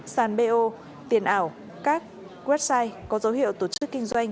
sàn bo tiền ảo các website có dấu hiệu tổ chức kinh doanh